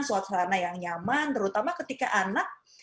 suasana yang nyaman terutama ketika anak ya kan bisa berada di rumah ya kan